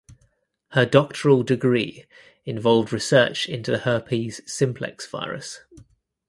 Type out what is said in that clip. Her doctoral degree involved research into the Herpes simplex virus.